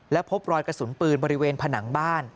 และพบรอยกระสุนปืนบริเวณผนังบ้าน